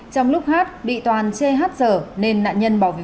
trong lúc hát bị toàn chê hát dở nên nạn nhân bảo vệ